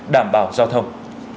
đảm bảo giao thông